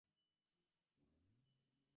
তবে আজ আমার বড়ো সময় নাই, আর-একদিন সমস্ত বলিব।